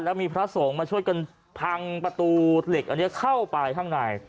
แล้วมีพระสงฆ์มาช่วยกันพังประตูเหล็กอันนี้เข้าไปข้างใน